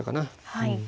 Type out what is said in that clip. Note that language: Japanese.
はい。